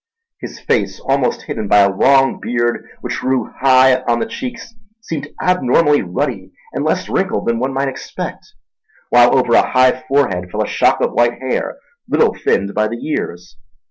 His face, almost hidden by a long beard which grew high on the cheeks, seemed abnormally ruddy and less wrinkled than one might expect; while over a high forehead fell a shock of white hair little thinned by the years.